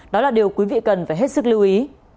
đó là điều quý vị cần phải hết sức lưu ý